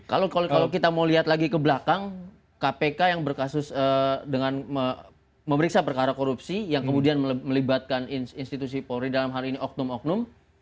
kalau kita mau lihat lagi ke belakang kpk yang berkasus dengan memeriksa perkara korupsi yang kemudian melibatkan institusi polri dalam hal ini oknum oknum